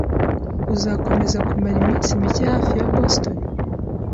Uzakomeza kumara iminsi mike hafi ya Boston?